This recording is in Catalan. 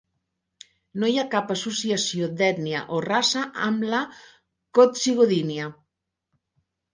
No hi ha cap associació d"ètnia o raça amb la coccigodinia .